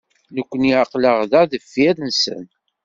Nekkni aql-aɣ da deffir-sen.